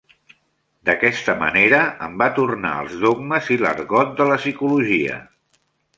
D'aquesta manera em va tornar els dogmes i l'argot de la psicologia.